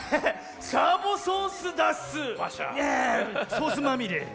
ソースまみれ。